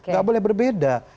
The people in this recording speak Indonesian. nggak boleh berbeda